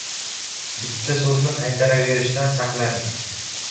Bitta so‘zni qaytaraverishdan saqlaning;